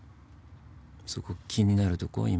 そこ気になるとこ？